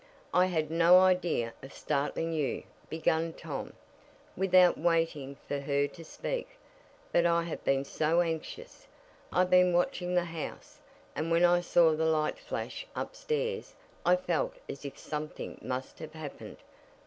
"I had no idea of startling you," began Tom, without waiting for her to speak, "but I have been so anxious! I've been watching the house, and when I saw the light flash upstairs I felt as if something must have happened.